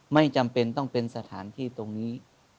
ไม่จำเป็นต้องเป็นสถานที่ตรงนี้